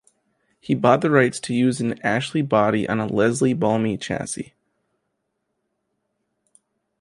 He bought the rights to use an Ashley body on a Leslie Ballamy chassis.